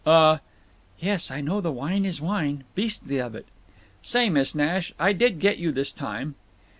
"Uh—" "Yes, I know the wine is wine. Beastly of it." "Say, Miss Nash, I did get you this time."